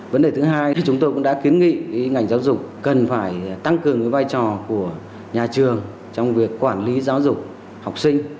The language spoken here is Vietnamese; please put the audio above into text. vấn đề thứ hai thì chúng tôi cũng đã kiến nghị ngành giáo dục cần phải tăng cường vai trò của nhà trường trong việc quản lý giáo dục học sinh